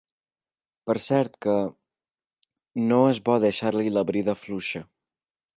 Per cert que... no és bo deixar-li la brida fluixa.